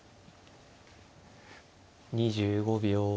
２５秒。